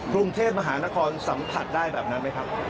กรุงเทพมหานครสัมผัสได้แบบนั้นไหมครับ